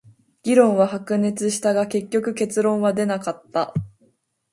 議論は白熱したが、結局結論は出なかった。